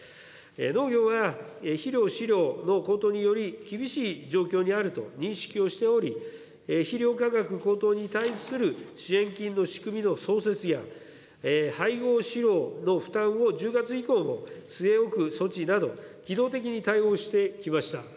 農業は肥料、飼料の高騰により厳しい状況にあると認識をしており、肥料価格高騰に対する支援金の仕組みの創設や、配合飼料の負担を１０月以降も据え置く措置など機動的に対応してきました。